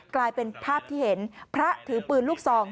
กลายเป็นภาพที่เห็นพระถือปืนลูกซอง